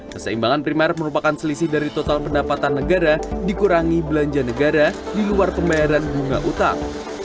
keseimbangan primer merupakan selisih dari total pendapatan negara dikurangi belanja negara di luar pembayaran bunga utang